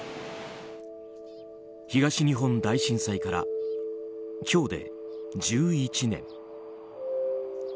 東日本大震災から今日で１１年。